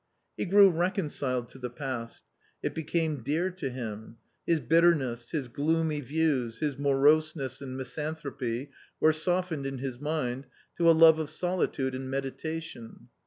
He grew reconciled to the past ; it became dear to him. His bitterness, his gloomy views, his moroseness and misanthropy were softened in his mind to a love of solitude and meditation.